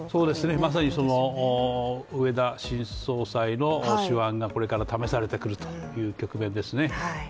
まさにその植田新総裁の手腕がこれから試されてくるという局面ですね。